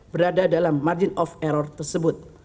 berada dalam margin of error tersebut